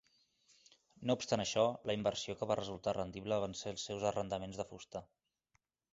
No obstant això, la inversió que va resultar rendible van ser els seus arrendaments de fusta.